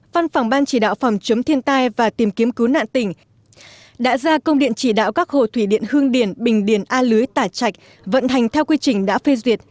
văn phòng ban chỉ đạo phòng chống thiên tai và tìm kiếm cứu nạn tỉnh đã ra công điện chỉ đạo các hồ thủy điện hương điền bình điền a lưới tả trạch vận hành theo quy trình đã phê duyệt